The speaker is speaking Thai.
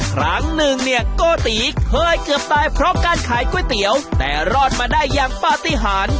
ครั้งหนึ่งเนี่ยโกติเคยเกือบตายเพราะการขายก๋วยเตี๋ยวแต่รอดมาได้อย่างปฏิหาร